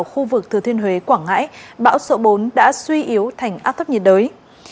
huyện huế quảng ngãi bão sợ bốn đã suy yếu thành áp thấp nhiệt đới